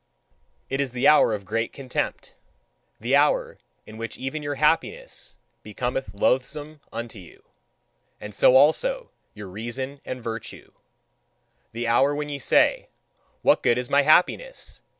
It is the hour of great contempt. The hour in which even your happiness becometh loathsome unto you, and so also your reason and virtue. The hour when ye say: "What good is my happiness!